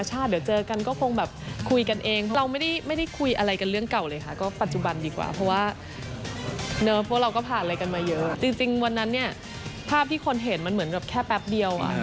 จริงวันนั้นเนี่ยภาพที่คนเห็นมันเหมือนแบบแค่แป๊บเดียว